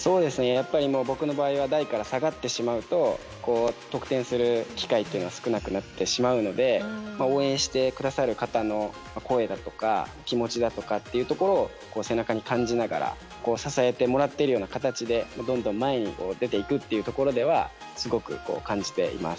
やっぱり僕の場合は台から下がってしまうと得点する機会というのは少なくなってしまうので応援して下さる方の声だとか気持ちだとかっていうところを背中に感じながら支えてもらってるような形でどんどん前に出ていくというところではすごく感じています。